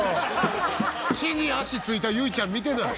地に足着いたゆいちゃん見てない。